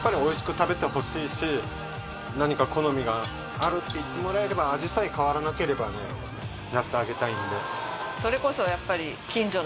やっぱり何か好みがあるって言ってもらえれば味さえ変わらなければねやってあげたいんで。